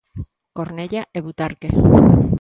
Cornellá e Butarque.